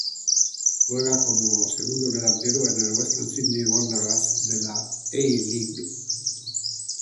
Juega como segundo delantero en el Western Sydney Wanderers de la A-League.